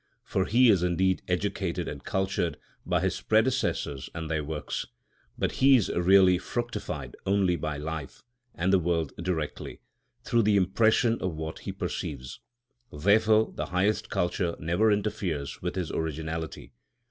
For he is indeed educated and cultured by his predecessors and their works; but he is really fructified only by life and the world directly, through the impression of what he perceives; therefore the highest culture never interferes with his originality.